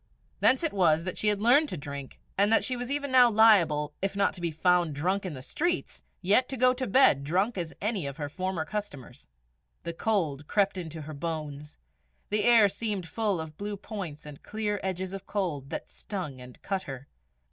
Thence it was that she had learned to drink, and that she was even now liable, if not to be found drunk in the streets, yet to go to bed drunk as any of her former customers. The cold crept into her bones; the air seemed full of blue points and clear edges of cold, that stung and cut her.